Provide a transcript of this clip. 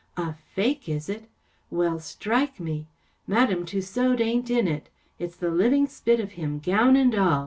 " A fake, is it ? Well, strike me ! Madame Tussaud ain’t in it. It’s the living spit of him, gown and all.